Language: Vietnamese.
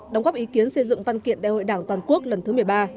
đóng góp ý kiến xây dựng văn kiện đại hội đảng toàn quốc lần thứ một mươi ba